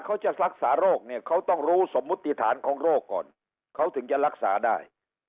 เขาจะรักษาโรคเนี่ยเขาต้องรู้สมมุติฐานของโรคก่อนเขาถึงจะรักษาได้